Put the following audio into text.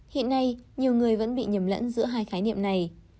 hiện nay nhiều người vẫn bị nhầm lẫn giữa hai khái niệm này